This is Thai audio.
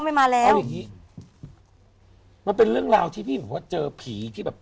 ไม่มาแล้วเอาอย่างงี้มันเป็นเรื่องราวที่พี่บอกว่าเจอผีที่แบบ